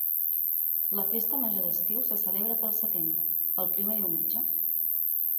La festa major d'estiu se celebra pel setembre, el primer diumenge.